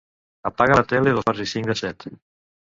Apaga la tele a dos quarts i cinc de set.